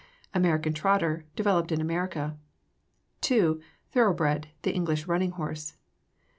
American Trotter, developed in America. 2. Thoroughbred, the English running horse.